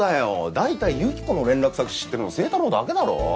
大体由紀子の連絡先知ってるの星太郎だけだろ？